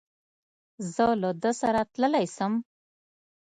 زه له ده سره تللای سم؟